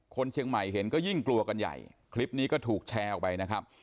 คนเชียงใหม่เห็นก็ยิ่งกลัวกันใหญ่คลิปนี้ก็ถูกแชร์ออกไปนะครับ